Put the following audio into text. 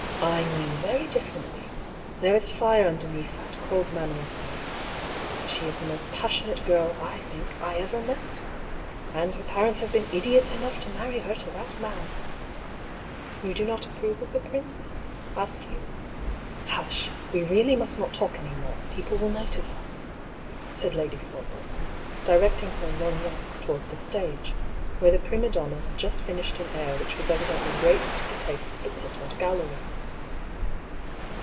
I knew very differently ! There is fire underneath that cold manner of hers — she is the most passionate girl, I think, I ever met ! And her parents have been idiots enough to marry her to that man !"" You do not approve of the prince ?" asked Hugh. " Hush I We really must not talk any more, people will notice us," said Lady Forwood, directing her lor gnettes towards the stage, where the prima donna had THE BEGINNING OP THE SEQUEL. 173 just finished an air which was evidently greatly to the taste of the pit and gallery.